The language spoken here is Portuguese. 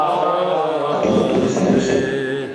Atendo a tudo sonhando sempre